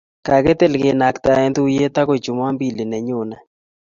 kakitil kenaktaen tuyiet agoi jumampili ne nyone